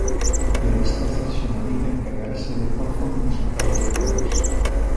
O pianista Serxio Moreira encargarase de pór fondo musical aos poemas.